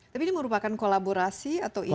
tapi ini merupakan kolaborasi atau ini itu